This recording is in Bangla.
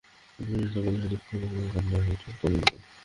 শফিকুল ইসলাম বাদী হয়ে যশোর কোতোয়ালি মডেল থানায় একটি হত্যা মামলা করেন।